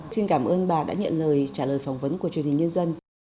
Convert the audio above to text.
xin cảm ơn bà đã nhận lời trả lời phỏng vấn của truyền hình nhân dân